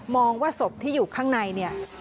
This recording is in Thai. ว่าศพที่อยู่ข้างในเนี่ย